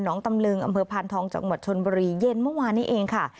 ตำลึงอำเภอพานทองจังหวัดชนบุรีเย็นเมื่อวานนี้เองค่ะ